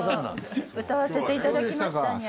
歌わせていただきましたニャ。